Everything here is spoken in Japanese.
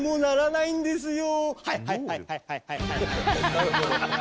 なるほど。